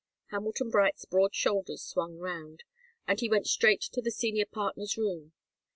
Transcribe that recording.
Hamilton Bright's broad shoulders swung round, and he went straight to the senior partner's room.